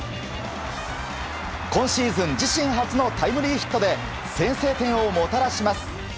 今シーズン自身初のタイムリーヒットで先制点をもたらします。